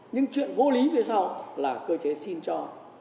nhưng chuyện vô lý về sau là cơ chế xin cho